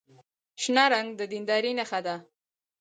شنه رنګ د دیندارۍ نښه ده.